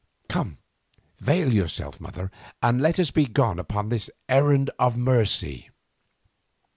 "Come, veil yourself, mother, and let us be gone upon this 'errand of mercy.